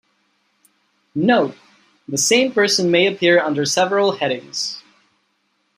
Note: The same person may appear under several headings.